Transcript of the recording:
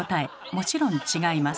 もちろん違います。